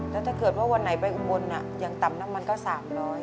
แล้วถ้าเกิดว่าวันไหนไปอุบลอย่างต่ำน้ำมันก็๓๐๐